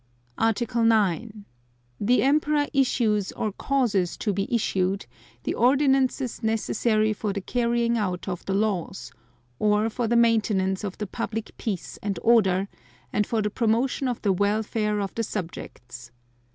Article 9. The Emperor issues or causes to be issued, the Ordinances necessary for the carrying out of the laws, or for the maintenance of the public peace and order, and for the promotion of the welfare of the subjects.